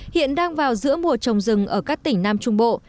hiện đang vào giữa mùa trồng rừng ở các tỉnh nam trung bộ